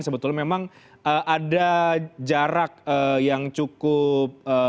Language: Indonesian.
sebetulnya memang ada jarak yang cukup